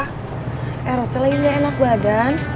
hera selainnya enak badan